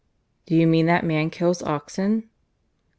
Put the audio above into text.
"Do you mean that man kills oxen?"